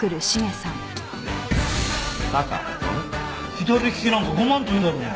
左利きなんかごまんといるだろうが。